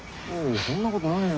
そんなことないよ。